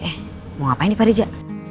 eh mau ngapain nih pak rija